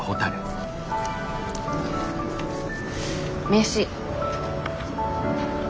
名刺。